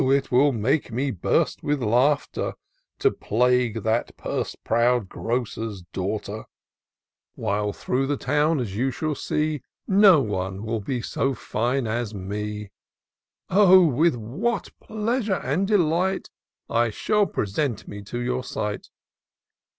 it will make me burst vdth laughter^ To plague the purse proud Grocer's daughter; While through the towui as you shall see, No one will be so fine as me. Oh ! with what pleasure and delight I shall present me to your sight